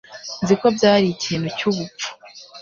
Nzi ko byari ikintu cyubupfu.